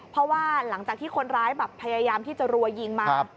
เพราะว่าหลังจากที่คนร้ายแบบพยายามที่จะรัวยิงมา